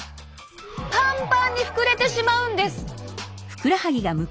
パンパンに膨れてしまうんです！